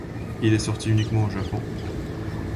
Il est sorti uniquement au Japon.